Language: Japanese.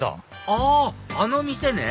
ああの店ね！